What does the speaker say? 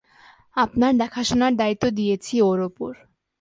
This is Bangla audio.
আপনার দেখাশোনার দায়িত্ব দিয়েছি ওর ওপর।